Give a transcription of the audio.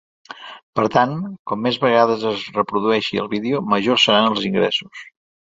Per tant, com més vegades es reprodueixi el vídeo, majors seran els ingressos.